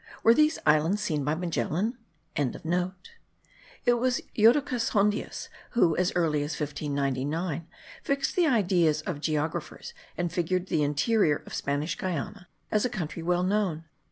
Were they islands seen by Magellan?) It was Jodocus Hondius who, as early as the year 1599, fixed the ideas of geographers and figured the interior of Spanish Guiana as a country well known.